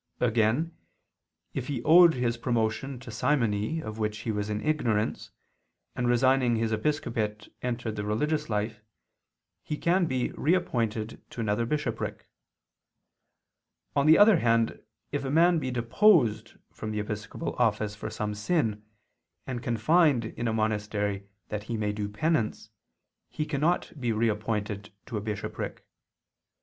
Again, if he owed his promotion to simony of which he was in ignorance, and resigning his episcopate entered the religious life, he can be reappointed to another bishopric [*Cap. Post translat., de Renunt.]. On the other hand, if a man be deposed from the episcopal office for some sin, and confined in a monastery that he may do penance, he cannot be reappointed to a bishopric.